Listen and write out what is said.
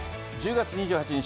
１０月２８日